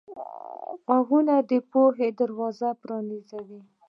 غوږونه د پوهې دروازه پرانیزي